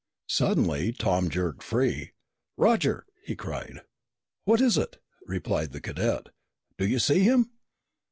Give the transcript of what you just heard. Suddenly Tom jerked free. "Roger!" he cried. "What is it?" replied the cadet. "Do you see him?"